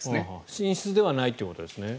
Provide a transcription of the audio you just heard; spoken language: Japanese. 寝室ではないってことですね。